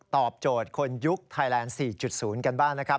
ตอบโจทย์คนยุคไทยแลนด์๔๐กันบ้างนะครับ